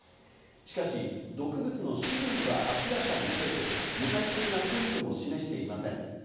しかし、毒物の種類は明らかにせず、具体的な根拠も示していません。